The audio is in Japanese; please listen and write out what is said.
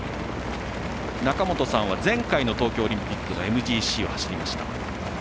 中本さんは前回の東京オリンピックのＭＧＣを走りました。